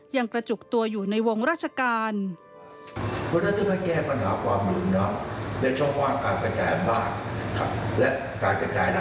ยังกระจุกตัวอยู่ในวงราชการ